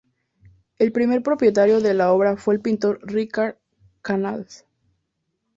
El primer propietario de la obra fue el pintor Ricard Canals.